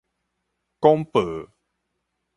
廣播